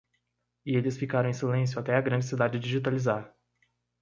E eles ficaram em silêncio até a grande cidade digitalizar.